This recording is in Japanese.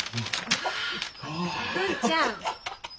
文ちゃん！